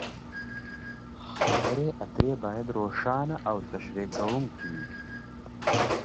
خبرې اترې باید روښانه او تشریح کوونکې وي.